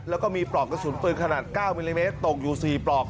แล้วก็มีปลอกกระสุนปืนขนาด๙มิลลิเมตรตกอยู่๔ปลอก